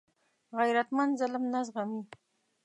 غیرتمند ظلم نه زغمي